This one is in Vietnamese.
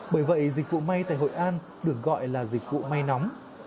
bởi vậy dịch vụ may tại hội an được gọi là dịch vụ may nóng